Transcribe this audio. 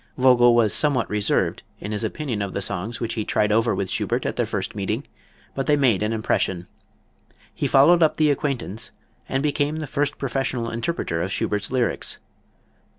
Vogl was somewhat reserved in his opinion of the songs which he tried over with Schubert at their first meeting, but they made an impression. He followed up the acquaintance and became the first professional interpreter of Schubert's lyrics.